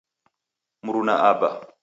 Mruna aba